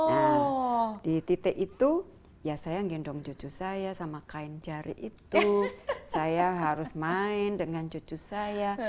nah di titik itu ya saya gendong cucu saya sama kain jari itu saya harus main dengan cucu saya